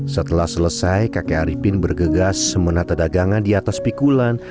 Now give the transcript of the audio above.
setelah selesai kakek arifin bergegas menata dagangan di atas pikulan